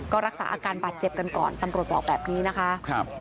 ก็รักษาอาการบาดเจ็บกันก่อนตำรวจบอกแบบนี้นะคะ